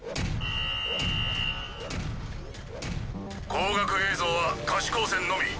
光学映像は可視光線のみ。